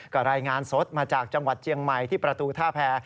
ก็รายงานสดมาจากจังหวัดเจียงใหม่ที่ประตูท่าแพร